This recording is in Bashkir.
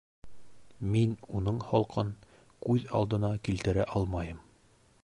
Мин уның холҡон күҙ алдына килтерә алмайым